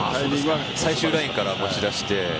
最終ラインから持ち出して。